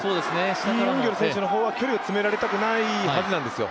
イ・ウンギョル選手の方は距離を詰められたくないはずなんですよ。